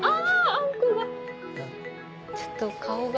ちょっと。